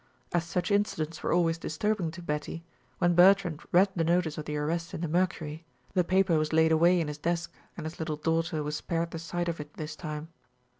As such incidents were always disturbing to Betty, when Bertrand read the notice of the arrest in the Mercury, the paper was laid away in his desk and his little daughter was spared the sight of it this time.